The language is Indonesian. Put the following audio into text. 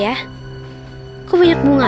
kalau aku jual saya sanggup sujar